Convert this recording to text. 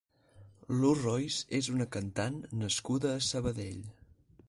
Lu Rois és una cantant nascuda a Sabadell.